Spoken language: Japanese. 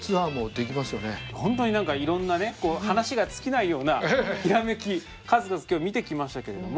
本当に何かいろんなね話が尽きないようなヒラメキ数々今日見てきましたけれども。